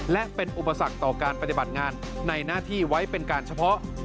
และเป็นอุปสรรคต่อการปฏิบัติงานในหน้าที่ไว้เป็นการเฉพาะ